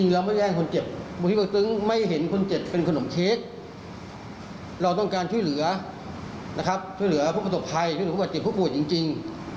เราต้องการช่วยเหลือผู้ประสบความสุขภัยผู้ปวดจิตจริง